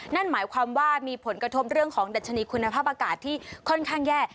นั่นหมายความว่ามีผลกระทบเรื่องของดัชนีคุณภาพอากาศที่ค่อนข้างแย่